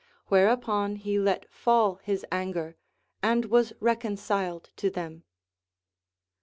AVhereupon he let fall his anger, and Avas reconciled to them.